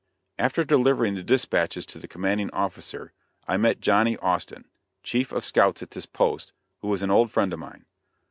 After delivering the dispatches to the commanding officer, I met Johnny Austin, chief of scouts at this post, who was an old friend of mine.